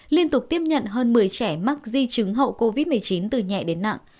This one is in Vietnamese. liên tục tiếp nhận hơn một mươi trẻ mắc di chứng hậu covid một mươi chín từ nhẹ đến nặng